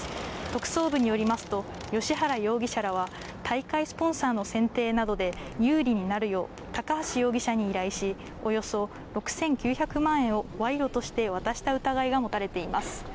特捜部によりますと、芳原容疑者らは、大会スポンサーの選定などで、有利になるよう、高橋容疑者に依頼し、およそ６９００万円を賄賂として渡した疑いが持たれています。